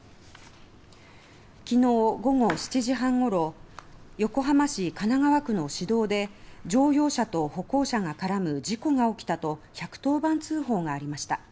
きのう午後７時半ごろ横浜市神奈川区の市道で乗用車と歩行者が絡む事故が起きたと１１０番通報がありました。